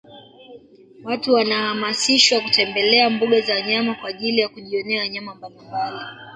Watu wanahamasishwa kutembelea mbuga za wanyama kwaajili ya kujionea wanyama mbalimbali